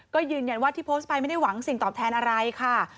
ก็ยืนยันว่าที่โพสต์ไปไม่ได้หวังสิ่งตอบแทนอะไรค่ะ